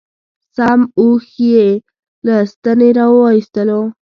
سم اوښ یې له ستنې را و ایستلو.